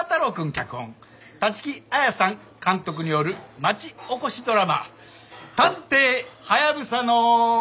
脚本立木彩さん監督による町おこしドラマ『探偵ハヤブサの』。